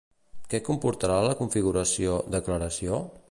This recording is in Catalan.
Què comportarà la configuració "declaració"?